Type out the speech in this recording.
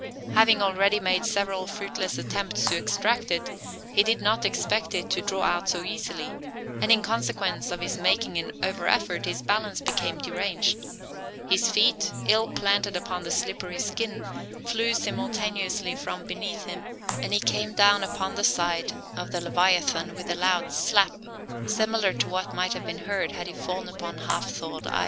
Having already made several fruitless attempts to extract it, he did not expect it to draw out so easily; and, in consequence of his making an over effort, his balance became deranged; his feet, ill planted upon the slippery skin, flew simultaneously from beneath him; and he came down upon the side of the leviathan with a loud "slap," similar to what might have been heard had he fallen upon half thawed ice.